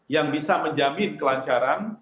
yang bisa menjamin kelancaran